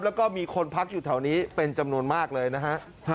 แล้วก็มีคนพักอยู่แถวนี้เป็นจำนวนมากเลยนะฮะ